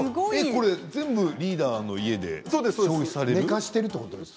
この写真全部リーダーの家で消費されるんですか？